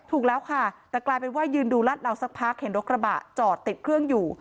ถูกแล้วค่ะแต่กลายเป็นว่ายืนดูรัดเราสักพักเห็นรถกระบะจอดติดเครื่องอยู่